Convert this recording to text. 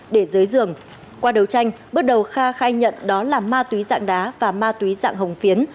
để dưới giường qua đấu tranh bước đầu kha khai nhận đó là ma túy dạng đá và ma túy dạng hồng phiến